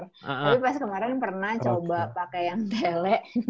tapi pas kemarin pernah coba pakai yang tele